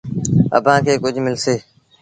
اڀآنٚ کي ڪجھ ملسي